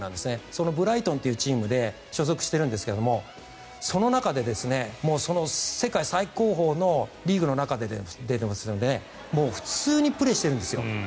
そのブライトンというチームに所属しているんですがその中で世界最高峰のリーグの中でもう普通にプレーをしているんですよ。